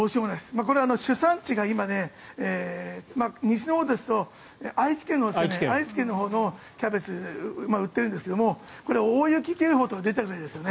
これは主産地が今西のほうですと愛知県のほうのキャベツ売っているんですけどもこれ、大雪警報とか出ているところですよね。